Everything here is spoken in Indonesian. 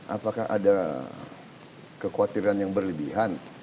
apakah ada kekhawatiran yang berlebihan